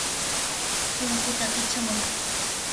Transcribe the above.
Punkuta kitramuy.